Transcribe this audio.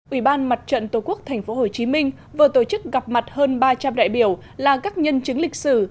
ủy ban mặt trận tổ quốc tp hcm vừa tổ chức gặp mặt hơn ba trăm linh đại biểu là các nhân chứng lịch sử